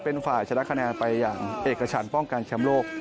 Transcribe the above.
เป็นฝ่ายชนะคะแนนไปอย่างเอกชันป้องกันแชมป์โลก